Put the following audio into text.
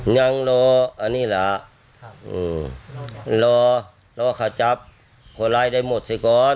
ยังรออันนี้เหรอรอรอขจับโครไลน์ได้หมดเสียก่อน